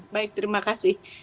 baik terima kasih